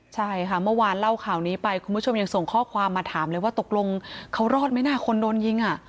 ใช่ค่ะเมื่อวานเล่าข่าวนี้ไปคุณผู้ชมยังส่งข้อความมาถามเลยว่าตกลงเขารอดไหมนะคนโดนยิงอ่ะ